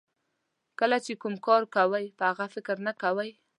کله چې کوم کار کوئ په هغه فکر نه کوئ.